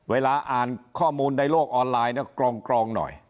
เวลาอ่านข้อมูลในโลกออนไลน์นะกรองหน่อย